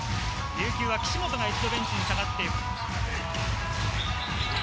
琉球は岸本が一度ベンチに下がっている。